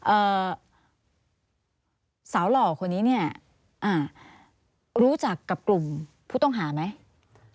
เอ่อสาวหล่อคนนี้เนี่ยอ่ารู้จักกับกลุ่มผู้ต้องหาไหม